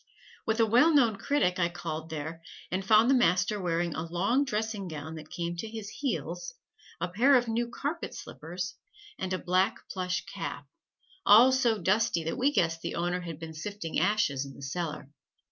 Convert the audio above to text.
With a well known critic I called there, and found the master wearing a long dressing gown that came to his heels, a pair of new carpet slippers and a black plush cap, all so dusty that we guessed the owner had been sifting ashes in the cellar.